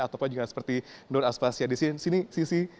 ataupun juga seperti nur aspasya di sini sisi